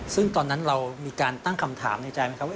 ซึ่งตอนนั้นเรามีการตั้งคำถามในใจไหมครับว่า